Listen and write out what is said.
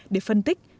để phân tích